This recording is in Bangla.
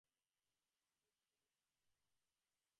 আমার স্ত্রীও এই ইচ্ছা অনুমোদন করেছেন।